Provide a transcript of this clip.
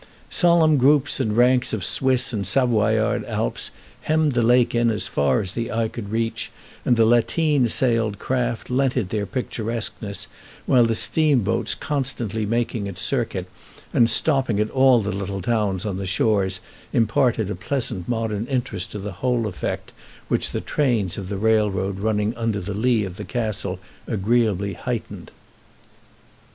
Solemn groups and ranks of Swiss and Savoyard Alps hemmed the lake in as far as the eye could reach, and the lateen sailed craft lent it their picturesqueness, while the steamboats constantly making its circuit and stopping at all the little towns on the shores imparted a pleasant modern interest to the whole effect, which the trains of the railroad running under the lee of the castle agreeably heightened.